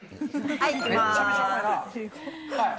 はい。